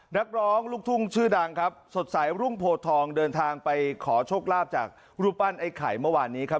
นักร้องลูกทุ่งชื่อดังครับสดใสรุ่งโพทองเดินทางไปขอโชคลาภจากรูปปั้นไอ้ไข่เมื่อวานนี้ครับ